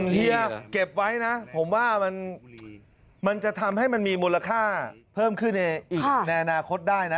เฮียเก็บไว้นะผมว่ามันจะทำให้มันมีมูลค่าเพิ่มขึ้นอีกในอนาคตได้นะ